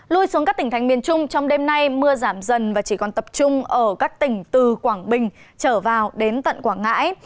lui xuống các tỉnh thành miền trung trong đêm nay mưa giảm dần và chỉ còn tập trung ở các tỉnh từ quảng bình trở vào đến tận quảng ngãi